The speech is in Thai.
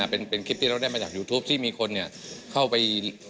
เป็นคลิปที่เราได้มาจากยูทูปที่มีคนเข้าไป